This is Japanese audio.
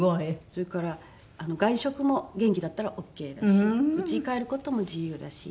それから外食も元気だったらオーケーだしうちへ帰る事も自由だしっていうので。